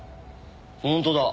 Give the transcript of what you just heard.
本当だ。